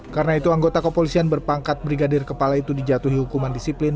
karena itu anggota kepolisian berpangkat brigadir kepala itu dijatuhi hukuman disiplin